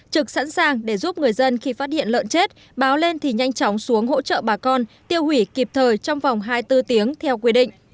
trực sẵn sàng để giúp người dân khi phát hiện lợn chết báo lên thì nhanh chóng xuống hỗ trợ bà con tiêu hủy kịp thời trong vòng hai mươi bốn tiếng theo quy định